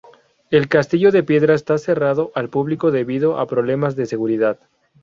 El castillo de piedra está cerrado al público debido a problemas de seguridad.